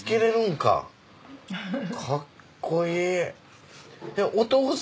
かっこいい。